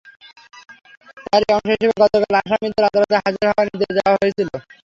তারই অংশ হিসেবে গতকাল আসামিদের আদালতে হাজির হওয়ার নির্দেশ দেওয়া হয়েছিল।